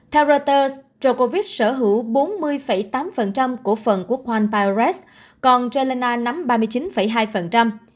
theo reuters trợ covid sở hữu bốn mươi tám của phần của quang biores còn jelena nắm ba mươi chín hai